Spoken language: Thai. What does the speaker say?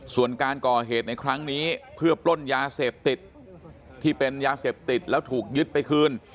ส่วนการก่อเหตุในครั้งนี้เพื่อปล้นยาเสพติดที่เป็นยาเสพติดแล้วถูกยึดไปคืน